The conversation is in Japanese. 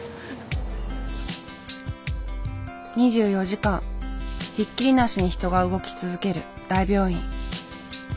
２４時間ひっきりなしに人が動き続ける大病院。